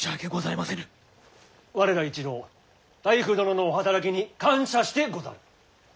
我ら一同内府殿のお働きに感謝してござる。